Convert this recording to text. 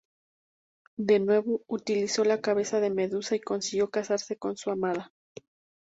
De nuevo, utilizó la cabeza de Medusa y consiguió casarse con su amada.